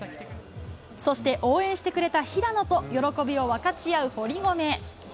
そして、応援してくれた平野と喜びを分かち合う堀米。